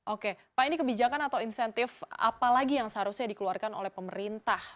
oke pak ini kebijakan atau insentif apa lagi yang seharusnya dikeluarkan oleh pemerintah